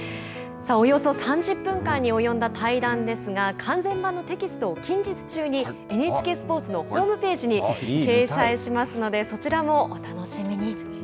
およそ３０分間に及んだ対談だったんですが完全版のテキストを近日中にＮＨＫのホームページに掲載しますのでそちらもお楽しみに。